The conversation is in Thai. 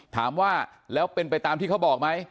ถามว่าแล้วเป็นไปตามที่เขาบอกไหม